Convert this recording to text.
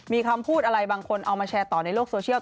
มีคำพูดอะไรบางคนเอามาแชร์ต่อในโลกโซเชียล